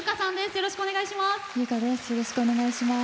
よろしくお願いします。